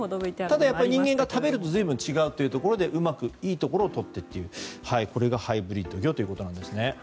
ただ人が食べると随分違うということでうまくいいところをとってというのがハイブリッド魚なんですね。